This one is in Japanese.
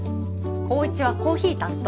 紘一はコーヒー担当。